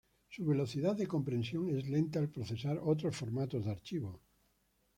Su velocidad de compresión es lenta al procesar otros formatos de archivo.